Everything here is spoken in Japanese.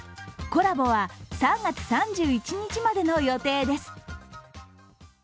コラボは３月３１日までの予定です。